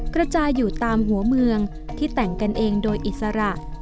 กระจายอยู่ตามหัวเมืองที่แต่งกันเองโดยอิสระ